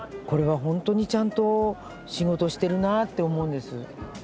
これは本当にちゃんと仕事してるなって思うんです。